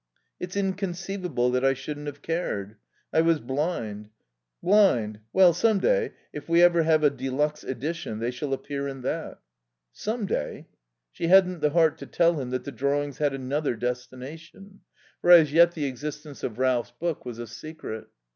"It's inconceivable that I shouldn't have cared. ... I was blind. Blind. ... Well, some day, if we ever have an édition de luxe, they shall appear in that." "Some day!" She hadn't the heart to tell him that the drawings had another destination, for as yet the existence of Ralph's took was a secret.